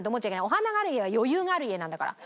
お花がある家は余裕がある家なんだから。